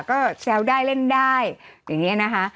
ก็แซวได้เล่นได้อย่างนี้นะคะ